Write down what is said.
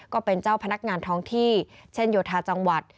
ก็เป็นเจ้าพนักงานท้องที่เช่นโยธาจังหวัด